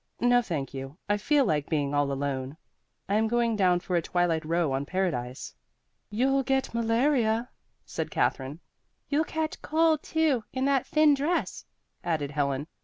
"No, thank you. I feel like being all alone. I'm going down for a twilight row on Paradise." "You'll get malaria," said Katherine. "You'll catch cold, too, in that thin dress," added Helen.